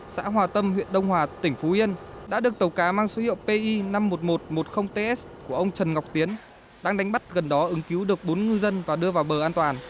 xã hòa tâm huyện đông hòa tỉnh phú yên đã được tàu cá mang số hiệu pi năm mươi một nghìn một trăm một mươi ts của ông trần ngọc tiến đang đánh bắt gần đó ứng cứu được bốn ngư dân và đưa vào bờ an toàn